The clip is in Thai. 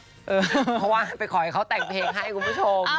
เพราะว่าไปขอให้เขาแต่งเพลงให้คุณผู้ชม